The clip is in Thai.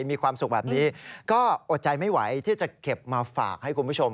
มีความสุขแบบนี้ก็อดใจไม่ไหวที่จะเก็บมาฝากให้คุณผู้ชม